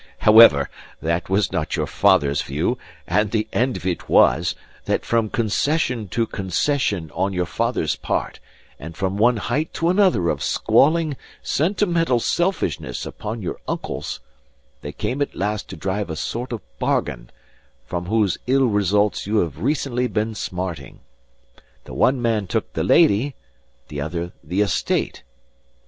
However, that was not your father's view; and the end of it was, that from concession to concession on your father's part, and from one height to another of squalling, sentimental selfishness upon your uncle's, they came at last to drive a sort of bargain, from whose ill results you have recently been smarting. The one man took the lady, the other the estate.